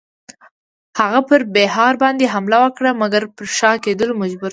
هغه پر بیهار باندی حمله وکړه مګر پر شا کېدلو مجبور شو.